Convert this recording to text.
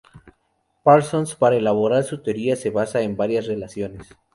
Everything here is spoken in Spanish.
Parsons para elaborar su teoría se basa en varias relaciones.